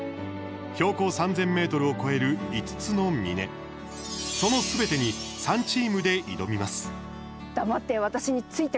標高３０００ｍを超える５つの峰そのすべてに３チームで挑みます。